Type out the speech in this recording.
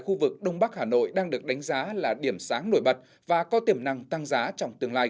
quý vị cùng theo dõi phóng sự sau đây của chúng tôi